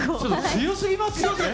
強すぎますよね。